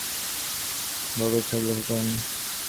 বরকত সাহেব লক্ষ করলেন, তিন্নি বাগানে চলে যাচ্ছে।